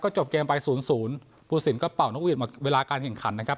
ก็จบเกมไปศูนย์ศูนย์ผู้สินก็เป่านกวิทย์มาเวลาการเก่งขันนะครับ